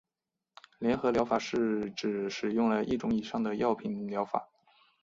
联合疗法是指使用了一种以上的药品的疗法。